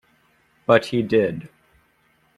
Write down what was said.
But he did.